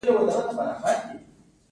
دوی د اوسپنې او سرو زرو په استخراج بوخت وو.